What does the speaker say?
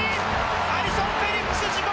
アリソン・フェリックス自己